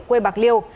quê bạc liêu